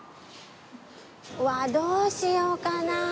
うわどうしようかな？